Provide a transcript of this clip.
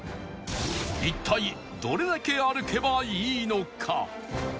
一体どれだけ歩けばいいのか？